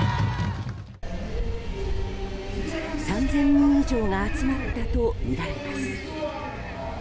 ３０００人以上が集まったとみられます。